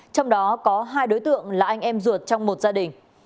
trong đó có hai đối tượng là anh em ruột trong một gia đình